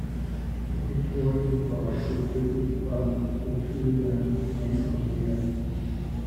The Praetorian Guard recruited from Etruria and Umbria.